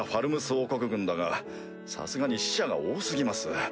王国軍だがさすがに死者が多過ぎます。